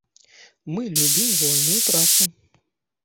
Мы любім вольную працу.